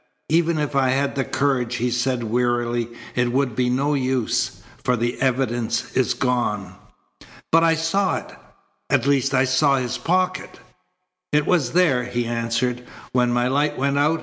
"Even if I had the courage," he said wearily, "it would be no use, for the evidence is gone." "But I saw it. At least I saw his pocket " "It was there," he answered, "when my light went out.